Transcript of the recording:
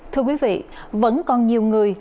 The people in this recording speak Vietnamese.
thưa quý vị vẫn còn nhiều người